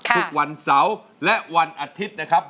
ทุกวันเสาร์และวันอาทิตย์นะครับ